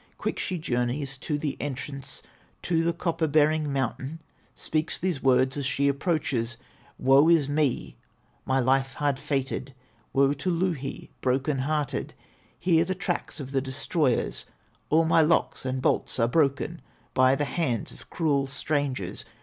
Quick she journeys to the entrance To the copper bearing mountain, Speaks these words as she approaches: "Woe is me, my life hard fated, Woe to Louhi, broken hearted! Here the tracks of the destroyers, All my locks and bolts are broken By the hands of cruel strangers!